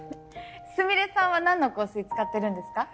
スミレさんは何の香水使ってるんですか？